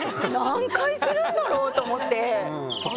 何回するんだろうと思って。